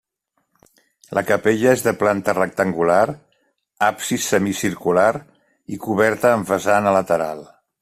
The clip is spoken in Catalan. La capella és de planta rectangular, absis semicircular i coberta amb vessant a lateral.